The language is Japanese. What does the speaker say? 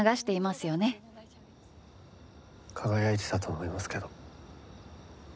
輝いてたと思いますけど。